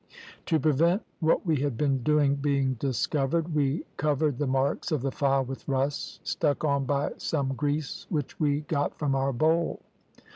To prevent what we had been doing being discovered we covered the marks of the file with rust, stuck on by some grease which we got from our bowl.